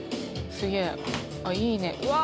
すげえいいねうわ